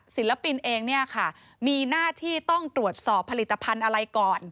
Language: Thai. ศิลปินเองเนี่ยค่ะมีหน้าที่ต้องตรวจสอบผลิตภัณฑ์อะไรก่อน